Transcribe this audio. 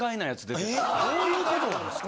どういう事なんですか？